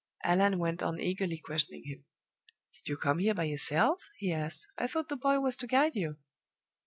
Allan went on eagerly questioning him. "Did you come here by yourself?" he asked. "I thought the boy was to guide you?"